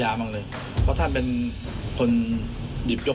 สนุนโดยน้ำดื่มสิง